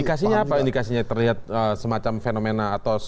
indikasinya apa indikasinya terlihat semacam fenomena atau